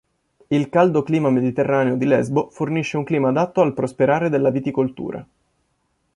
Il caldo clima mediterraneo di Lesbo fornisce un clima adatto al prosperare della viticoltura.